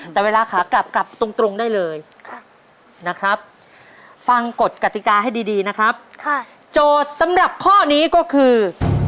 แต่เวลาขากลับกลับตรงได้เลยนะครับฟังกฎกติกาให้ดีนะครับโจทย์สำหรับข้อนี้ก็คือ